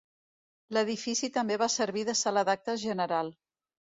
L'edifici també va servir de sala d'actes general.